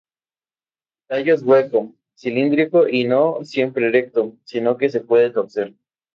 El tallo es hueco, cilíndrico y no siempre erecto, sino que se puede torcer.